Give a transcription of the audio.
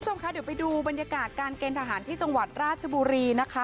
คุณผู้ชมคะเดี๋ยวไปดูบรรยากาศการเกณฑ์ทหารที่จังหวัดราชบุรีนะคะ